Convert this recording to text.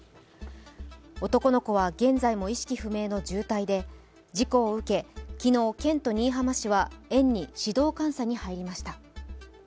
男の子は現在も意識不明の重体で、事故を受け、昨日、県と新居浜市は園に指導監査に入りました。